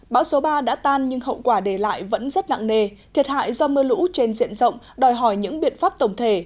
bão số ba đã tan nhưng hậu quả để lại vẫn rất nặng nề thiệt hại do mưa lũ trên diện rộng đòi hỏi những biện pháp tổng thể